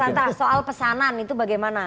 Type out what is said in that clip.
oke mas anta soal pesanan itu bagaimana